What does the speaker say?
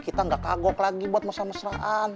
kita ga kagok lagi buat masalah mesraan